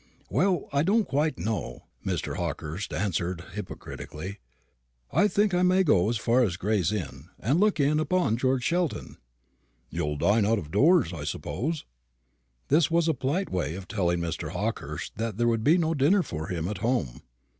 "Well, I don't quite know," Mr. Hawkehurst answered, hypocritically; "I think I may go as far as Gray's Inn, and look in upon George Sheldon." "You'll dine out of doors, I suppose?" This was a polite way of telling Mr. Hawkehurst that there would be no dinner for him at home.